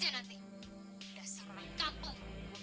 terima kasih pok